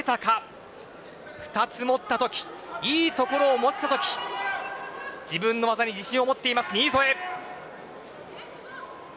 ２つ持ったときいい所を持ったときに自分の技に自信を持っている新添です。